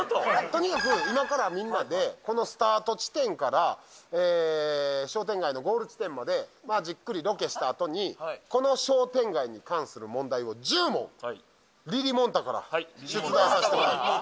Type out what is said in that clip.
とにかく今からみんなでこのスタート地点から商店街のゴール地点までじっくりロケしたあとにこの商店街に関する問題を１０問リリもんたから出題させてもらいます